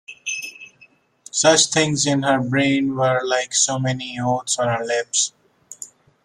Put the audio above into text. Such things in her brain were like so many oaths on her lips.